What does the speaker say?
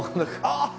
ああ！